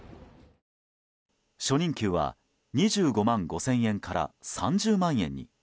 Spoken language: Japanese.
初任給は２５万５０００円から３０万円に。